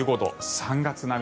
３月並み。